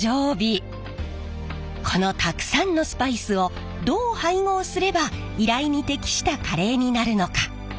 このたくさんのスパイスをどう配合すれば依頼に適したカレーになるのか。